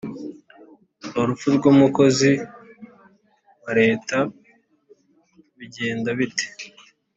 urupfu rwumukozi wareta bigenda bite